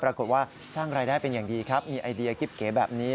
ปรากฏว่าสร้างรายได้เป็นอย่างดีครับมีไอเดียกิ๊บเก๋แบบนี้